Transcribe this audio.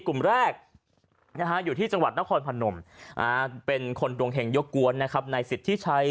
กลุ่มแรกอยู่ที่จังหวัดนครพนมเป็นคนดวงแห่งยกกวนในสิทธิ์ที่ใช้